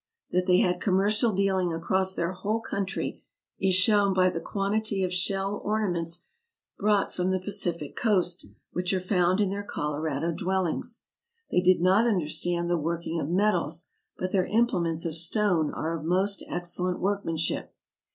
That they had commercial dealing across their whole country is shown by the quantity of shell ornaments brought from the Pacific coast, which are found in their Colorado dwellings. They did not understand the working of metals, but their implements of stone are of most excellent workmanship.